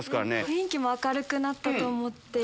雰囲気も明るくなったと思って。